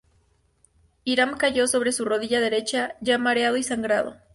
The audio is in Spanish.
Hiram cayó sobre su rodilla derecha, ya mareado y sangrando.